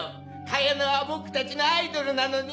カヨノは僕たちのアイドルなのに。